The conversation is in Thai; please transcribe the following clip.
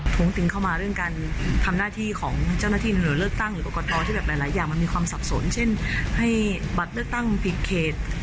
วงติงเข้ามาเรื่องการทำหน้าที่ของเจ้าหน้าที่หรือเลือกตั้งหรือกรกตที่แบบหลายอย่างมันมีความสับสนเช่นให้บัตรเลือกตั้งผิดเขต